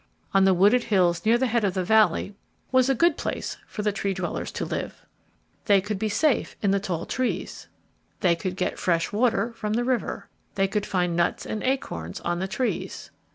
On the wooded hills near the head of the valley was a good place for the Tree dwellers to live. They could be safe in the tall trees. They could get fresh water from the river. They could find nuts and acorns on the trees.